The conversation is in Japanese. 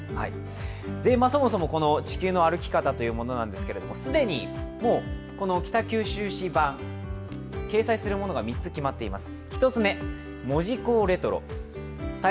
そもそも「地球の歩き方」というものなんですけれども、既に、北九州市版掲載されるものが決まっています。